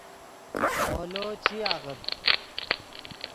مولو چی آغت